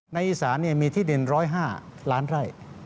ในอีสานมีที่ดิน๑๐๕ล้านไร่